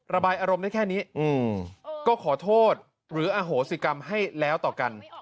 ระบายอารมณ์ได้แค่นี้ก็ขอโทษหรืออโหสิกรรมให้แล้วต่อกัน